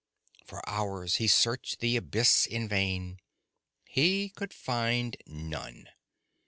For hours he searched the abyss in vain. He could find none.